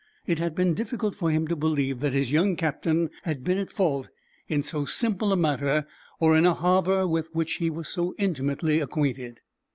It had been difficult for him to believe that his young captain had been at fault in so simple a matter, or in a harbor with which he was so intimately acquainted.